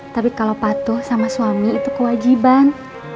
tapi kalau patuh sama suami itu kewajiban